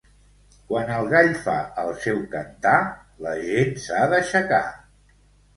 Quan el gall fa el seu cantar, la gent s'ha d'aixecar.